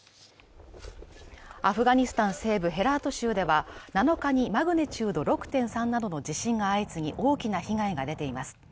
アフガニスタン西部ヘラート州では、７日にマグニチュード６．３などの地震が相次ぎ大きな被害が出ています。